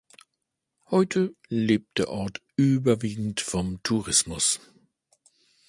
Heute lebt der Ort überwiegend vom Tourismus.